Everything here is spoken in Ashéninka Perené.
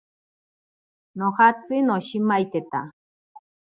Nojatsi noshimaiteta.